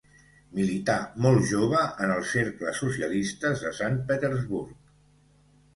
Milità molt jove en els cercles socialistes de Sant Petersburg.